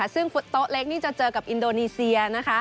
ซึ่งโต๊ะเล็กนี่จะเจอกับอินโดนีเซียนะคะ